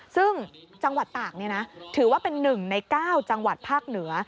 ซึ่งจังหวัดตากถือว่าเป็น๑ใน๙จังหวัดภาคเหนือ